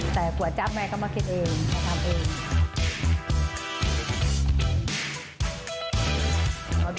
แต่กว่าจับแม่ก็มาคิดเองเขาทำเอง